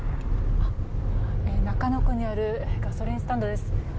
中野区にあるガソリンスタンドです。